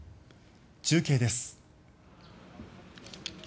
中継です。